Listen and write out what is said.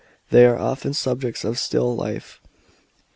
They are often subjects of still life.